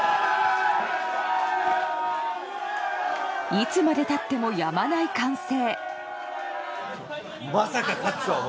いつまでたってもやまない歓声。